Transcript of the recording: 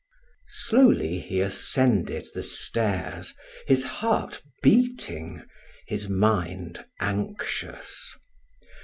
Slowly he ascended the stairs, his heart beating, his mind anxious.